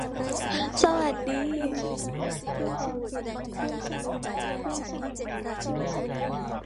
พูดต่อออกัสตัส